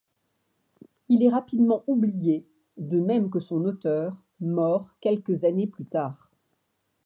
Il est rapidement oublié, de même que son auteur, mort quelques années plus tard.